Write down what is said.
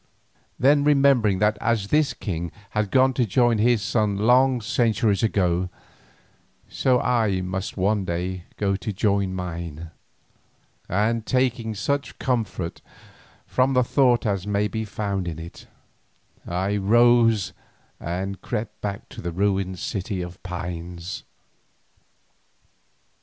Then remembering that as this king had gone to join his son long centuries ago, so I must one day go to join mine, and taking such comfort from the thought as may be found in it, I rose and crept back to the ruined City of Pines.